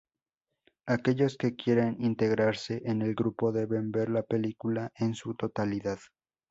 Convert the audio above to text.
Aquellos que quieren integrarse en el grupo deben ver la película en su totalidad.